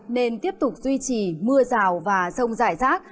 nên tiếp tục duy trì mưa rào và rông rải rác